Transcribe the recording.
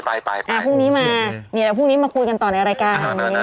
พรุ่งนี้มาเดี๋ยวพรุ่งนี้มาคุยกันต่อในรายการ